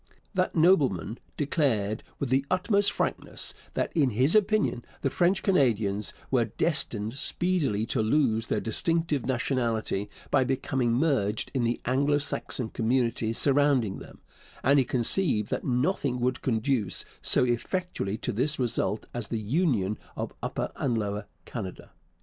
That nobleman declared with the utmost frankness that, in his opinion, the French Canadians were destined speedily to lose their distinctive nationality by becoming merged in the Anglo Saxon communities surrounding them, and he conceived that nothing would conduce so effectually to this result as the union of Upper and Lower Canada.